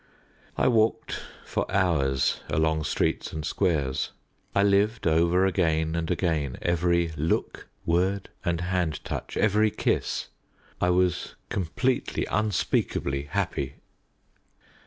I walked for hours along streets and squares; I lived over again and again every look, word, and hand touch every kiss; I was completely, unspeakably happy.